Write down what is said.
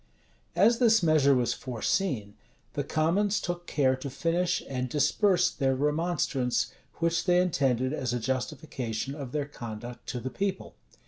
As this measure was foreseen, the commons took care to finish and disperse their remonstrance, which they intended as a justification of their conduct to the people.